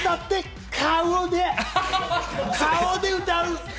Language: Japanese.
顔で歌う！